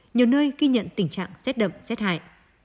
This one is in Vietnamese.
nhiều nơi ghi nhận tình trạng rét đậm rét hại